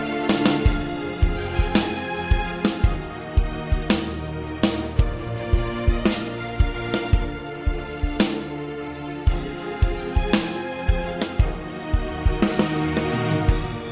itu wulan kan